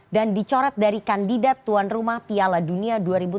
dan dicoret dari kandidat tuan rumah piala dunia dua ribu tiga puluh empat